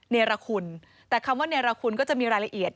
เนรคุณแต่คำว่าเนรคุณก็จะมีรายละเอียด